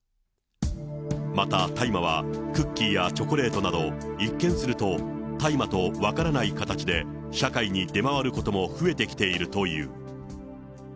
また大麻は、クッキーやチョコレートなど、一見すると大麻と分からない形で社会に出回ることも増えてきているという。